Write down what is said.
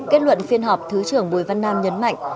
kết luận phiên họp thứ trưởng bùi văn nam nhấn mạnh